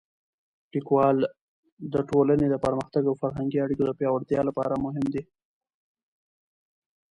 لیکوالی د ټولنې د پرمختګ او فرهنګي اړیکو د پیاوړتیا لپاره مهم دی.